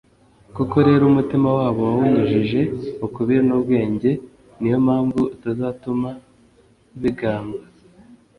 koko rero, umutima wabo wawunyujije ukubiri n'ubwenge, ni yo mpamvu utazatuma bigamba